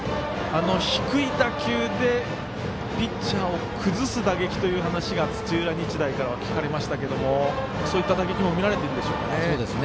低い打球でピッチャーを崩す打撃という話が土浦日大からは聞かれましたがそういった打撃も見られていますかね。